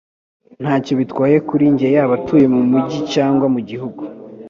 Ntacyo bitwaye kuri njye yaba atuye mumujyi cyangwa mugihugu.